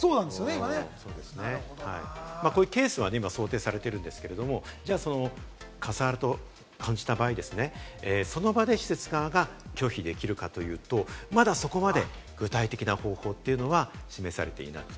今、こういうケースが想定されているんですけれど、カスハラと感じた場合、その場で施設側が拒否できるかというと、まだそこまで、具体的な方向というのは示されていなくて。